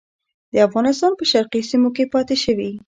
د افغانستان په شرقي سیمو کې پاته شوي.